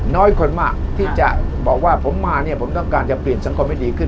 น้อยคนมากที่จะบอกว่าผมมาเนี่ยผมต้องการจะเปลี่ยนสังคมให้ดีขึ้น